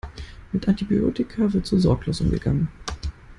Mit Antibiotika wird zu sorglos umgegangen.